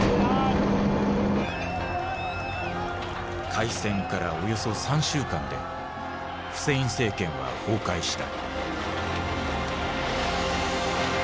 開戦からおよそ３週間でフセイン政権は崩壊した。